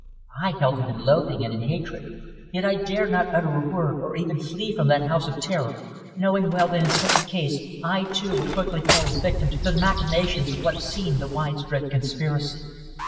I held him in loathing and in hatred, yet I dared not utter a word or even flee from that house of terror, knowing well that in such case I, too, would quickly fall a victim to the machinations of what seemed a widespread conspiracy.